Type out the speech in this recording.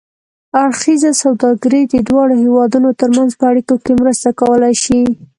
اړخیزه سوداګري د دواړو هېوادونو ترمنځ په اړیکو کې مرسته کولای شي.